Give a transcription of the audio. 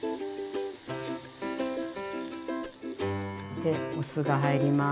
でお酢が入ります。